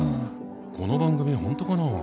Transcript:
この番組本当かな？